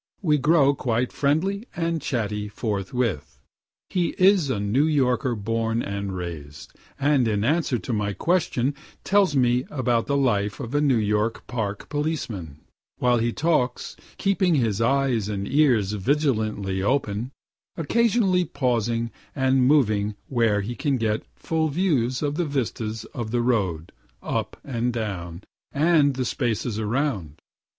We grow quite friendly and chatty forth with. He is a New Yorker born and raised, and in answer to my questions tells me about the life of a New York Park policeman, (while he talks keeping his eyes and ears vigilantly open, occasionally pausing and moving where he can get full views of the vistas of the road, up and down, and the spaces around.)